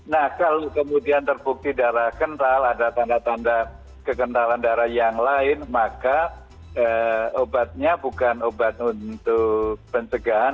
nah kalau kemudian terbukti darah kental ada tanda tanda kekentalan darah yang lain maka obatnya bukan obat untuk pencegahan